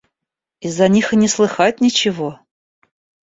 Из-за них и не слыхать ничего.